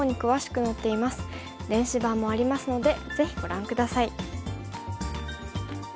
電子版もありますのでぜひご覧下さい。